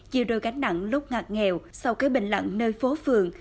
chiều đôi cánh nặng lúc ngạc nghèo sau kế bình lặng nơi phố phường